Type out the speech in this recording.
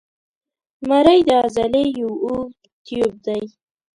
مرۍ د عضلې یو اوږد تیوب دی.